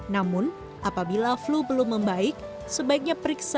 namun apabila flu belum membaik sebaiknya periksa